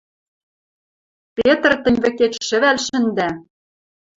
Петр тӹнь вӹкет шӹвӓл шӹндӓ!..